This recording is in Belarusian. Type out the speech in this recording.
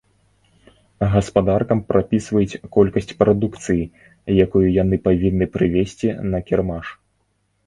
Гаспадаркам прапісваюць колькасць прадукцыі, якую яны павінны прывезці на кірмаш.